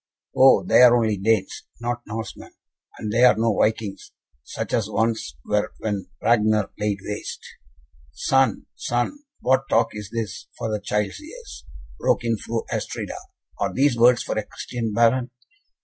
"Oh! they are only Danes, not Norsemen, and there are no Vikings, such as once were when Ragnar laid waste " "Son, son, what talk is this for the child's ears?" broke in Fru Astrida, "are these words for a Christian Baron?"